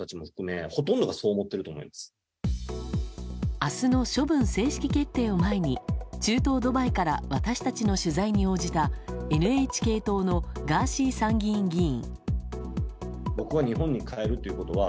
明日の処分正式決定を前に中東ドバイから私たちの取材に応じたＮＨＫ党のガーシー参議院議員。